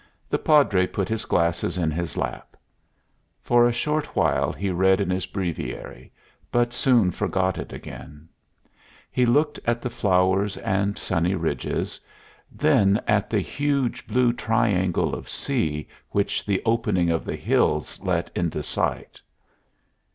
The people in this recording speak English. The Padre put his glasses in his lap. For a short while he read in his breviary, but soon forgot it again. He looked at the flowers and sunny ridges, then at the huge blue triangle of sea which the opening of the hills let into sight.